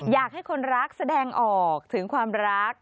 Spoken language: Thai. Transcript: อยากให้คนรักแสดงออกถึงความรัก